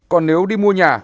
còn nếu đi mua nhà